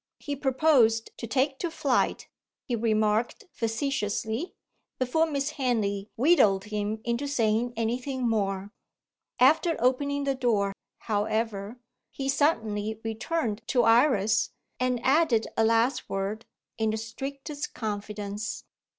He proposed to take to flight, he remarked facetiously, before Miss Henley wheedled him into saying anything more. After opening the door, however, he suddenly returned to Iris, and added a last word in the strictest confidence.